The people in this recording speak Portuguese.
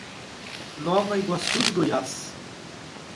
Nova Iguaçu de Goiás